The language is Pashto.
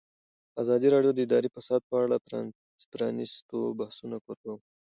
ازادي راډیو د اداري فساد په اړه د پرانیستو بحثونو کوربه وه.